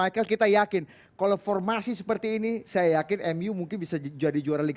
kami akan segera kembali